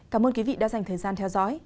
cảm ơn quý vị đã dành thời gian theo dõi